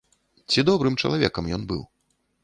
Ці добрым чалавекам ён быў?